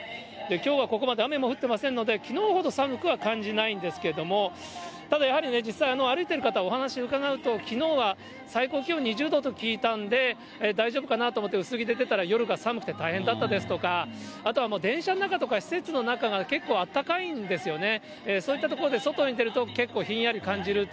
きょうはここまで雨も降ってませんので、きのうほど寒くは感じないんですけれども、ただ、やはりね、実際、歩いてる方、お話を伺うと、きのうは最高気温２０度と聞いたんで、大丈夫かなと思って薄着で出たら、夜が寒くて大変だったとかですね、あとはもう、電車の中とか施設の中が結構暖かいんですよね。